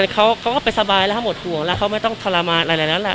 เขาก็ไปสบายแล้วหมดห่วงแล้วเขาไม่ต้องทรมานอะไรแล้วแหละ